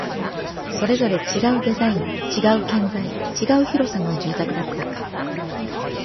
それぞれ違うデザイン、違う建材、違う広さの住宅だった